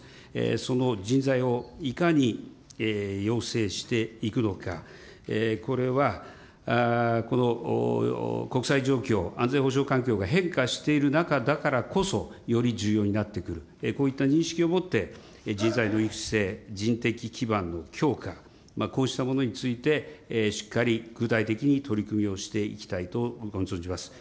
その人材をいかに養成していくのか、これはこの国際状況、安全保障環境が変化している中だからこそ、より重要になってくる、こういった認識を持って人材の育成、人的基盤の強化、こうしたものについてしっかり具体的に取り組みをしていきたいと存じます。